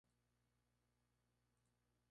No lo tomo como una revancha.